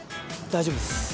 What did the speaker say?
大丈夫です。